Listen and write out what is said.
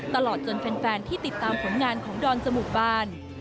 ตลอดจนแฟนที่ติดตามผลงานของดอนจมูกบาน